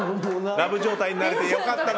ラブ状態になってよかったね。